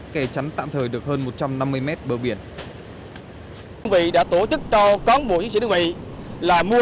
kẻ chắn tạm thời được hơn một trăm linh năm